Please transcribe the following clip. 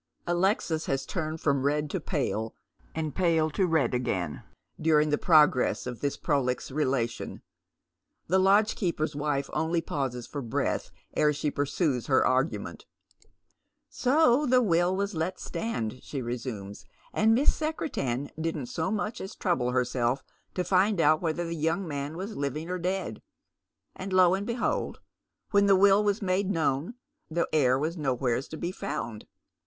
Alexis has turned from red to pale and pale to red again during the progress of this prolix relation. The lodgekeeper's wife only pauses for breath ere she pursues her argument. " So the will was let stand," she resumes, " and Miss Secretin didn't 80 much as trouble herself to find out whether the young man was living or dead ; and lo and behold 1 when the will waa made known, the heir was nowheres to be found.